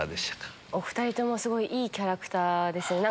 お２人ともすごいいいキャラクターですね。